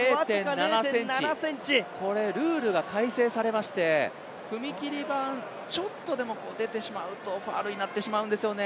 ０．７ｃｍ、これルールが改正されまして踏み切り板ちょっとでも出てしまうとファウルになってしまうんですよね。